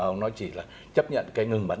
ông nói chỉ là chấp nhận cái ngừng bắn